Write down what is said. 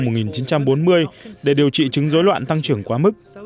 trong những năm một nghìn chín trăm bốn mươi để điều trị chứng rối loạn tăng trưởng quá mức